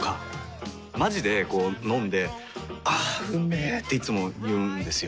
まじでこう飲んで「あーうんめ」っていつも言うんですよ。